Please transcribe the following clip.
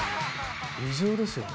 異常ですよね。